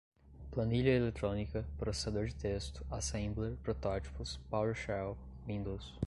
planilha eletrônica, processador de texto, assembler, protótipos, powershell, windows